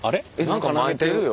何かまいてるよ。